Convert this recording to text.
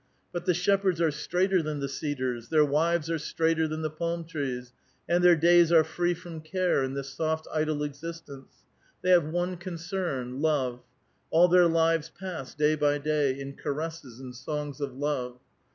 But the shepherds are straighter than the cedars ; their wives are straighter than the palm trees, and their days are free from care in this soft, idle existence. The3' have one concern, — love; all their lives pass, day by day, in caresses and songs of love.